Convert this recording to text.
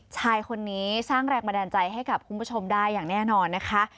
ชายคนนี้สร้างแรงบันดาลใจให้กับคุณผู้ชมได้อย่างแน่นอนนะคะ